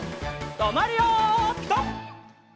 とまるよピタ！